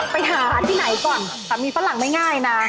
ไปหาที่ไหนก่อนสามีฝรั่งไม่ง่ายนะ